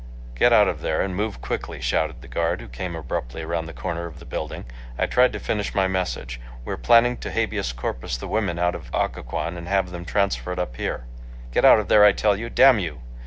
.." "Get out of there, and move quickly," shouted the guard, who came abruptly around the corner of the building. I tried to finish my message. "We are planning to habeas corpus the women out of Occoquan and have them transferred up here." "Get out of there, I tell you. Damn you!"